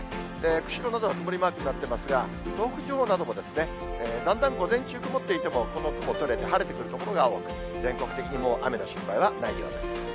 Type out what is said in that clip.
釧路など曇りマークになってますが、東北地方などもだんだん午前中曇っていても、この雲が取れて、晴れてくる所が多く、全国的にも雨の心配はないようです。